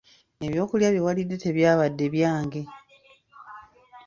Ebyokulya bye walidde tebyabadde byange.